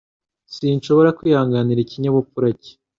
Sinshobora kwihanganira ikinyabupfura cye.